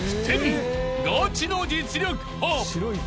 ［ガチの実力派］